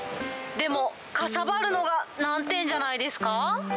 でも、かさばるのが難点じゃないですか？